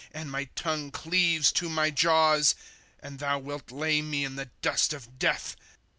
And my tongue cleaves to my jaws ; And thou wilt lay me in the dust of death.